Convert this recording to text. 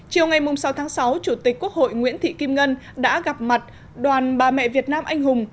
chiều ngày sáu tháng sáu chủ tịch quốc hội nguyễn thị kim ngân đã gặp mặt đoàn bà mẹ việt nam anh hùng